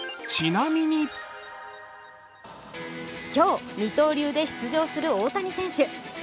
今日、二刀流で出場する大谷選手。